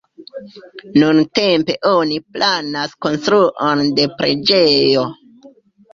Nuntempe oni planas konstruon de preĝejo.